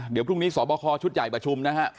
เดี๋ยวพรุ่งนี้สอบคอชุดใหญ่ประชุมนะฮะ